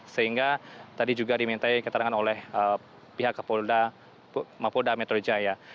sehingga tadi juga diminta ketarangan oleh pihak polda metro jaya